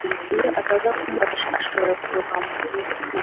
Iyo ataza kumufasha, ashobora kurohama.